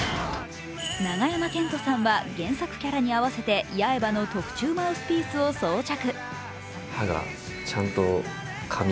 永山絢斗さんは原作キャラに合わせて八重歯の特注マウスピースを装着。